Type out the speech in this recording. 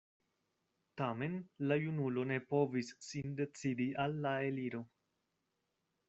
Tamen la junulo ne povis sin decidi al la eliro.